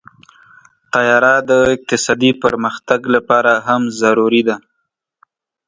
طیاره د اقتصادي پرمختګ لپاره هم ضروري ده.